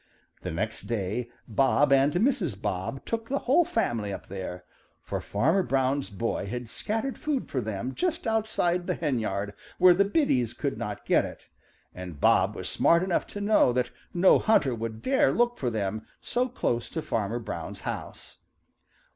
The next day Bob and Mrs. Bob took the whole family up there, for Fanner Brown's boy had scattered food for them just outside the henyard where the biddies could not get it, and Bob was smart enough to know that no hunter would dare look for them so close to Farmer Brown's house.